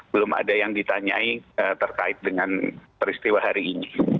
belum ada yang ditanyai terkait dengan peristiwa hari ini